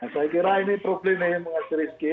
saya kira ini problemnya yang mengasih risiko